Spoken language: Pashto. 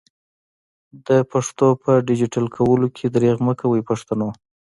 د پښتو په ډيجيټل کولو کي درېغ مکوئ پښتنو!